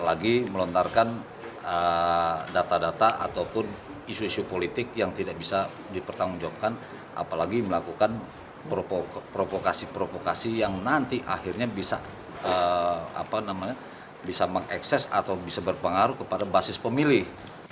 apalagi melontarkan data data ataupun isu isu politik yang tidak bisa dipertanggungjawabkan apalagi melakukan provokasi provokasi yang nanti akhirnya bisa mengakses atau bisa berpengaruh kepada basis pemilih